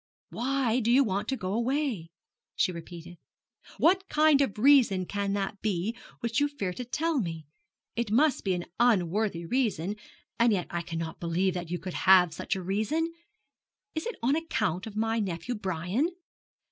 'Why do you want to go away?' she repeated. 'What kind of reason can that be which you fear to tell me? It must be an unworthy reason; and yet I cannot believe that you could have such a reason. Is it on account of my nephew Brian?